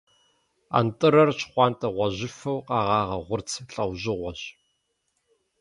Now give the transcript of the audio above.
Антӏырэр щхъуантӏэ-гъуэжьыфэу къэгъагъэ гъурц лӏэужьыгъуэщ.